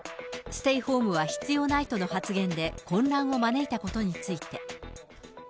ステイホームは必要ないとの発言で混乱を招いたことについて。